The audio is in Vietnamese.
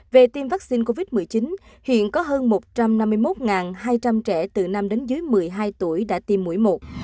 về tiêm vaccine covid một mươi chín hiện có hơn một trăm năm mươi một hai trăm linh trẻ từ năm đến dưới một mươi hai tuổi đã tiêm mũi một